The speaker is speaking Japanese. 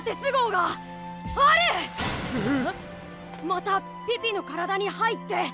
またピピの体に入って。